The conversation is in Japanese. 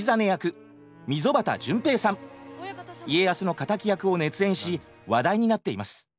家康の敵役を熱演し話題になっています。